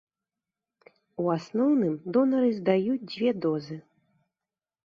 У асноўным донары здаюць дзве дозы.